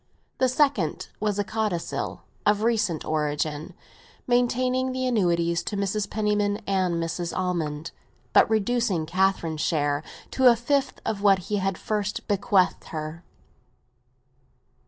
The second was a codicil, of recent origin, maintaining the annuities to Mrs. Penniman and Mrs. Almond, but reducing Catherine's share to a fifth of what he had first bequeathed her.